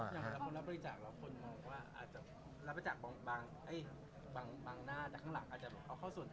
อย่างกับคนรับบริจาคแล้วคนมองว่ารับบริจาคบางหน้าแต่ข้างหลัง